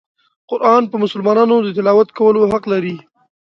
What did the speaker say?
قرآن په مسلمانانو د تلاوت کولو حق لري.